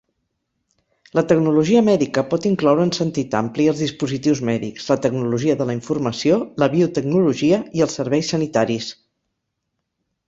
La tecnologia mèdica pot incloure en sentit ampli els dispositius mèdics, la tecnologia de la informació, la biotecnologia i els serveis sanitaris.